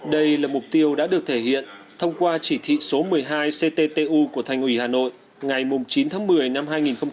đây là mục tiêu đã được thể hiện thông qua chỉ thị số một mươi hai cttu của thành ủy hà nội ngày chín tháng một mươi năm hai nghìn một mươi chín